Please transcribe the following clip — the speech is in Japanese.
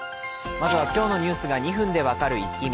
まずは今日のニュースが２分で分かるイッキ見。